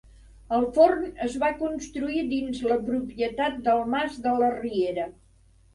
El forn es va construir dins la propietat del mas de la Riera.